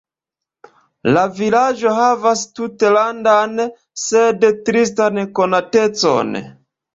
La vilaĝo havas tutlandan, sed tristan konatecon.